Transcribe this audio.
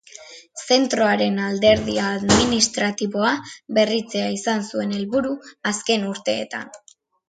Zentroaren alderdi administratiboa berritzea izan zuen helburu azken urteetan.